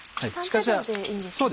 ３０秒でいいんですね。